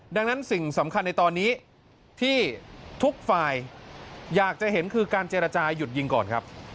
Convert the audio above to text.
ดังนั้นสิ่งสำคัญในตอนนี้ที่ทุกฝ่ายอยากจะเห็นคือการเจรจาหยุดยิงก่อนครับ